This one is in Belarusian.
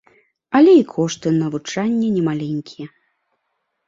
Але і кошты навучання немаленькія.